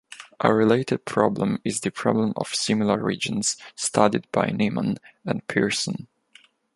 A related problem is the problem of similar regions studied by Neyman and Pearson.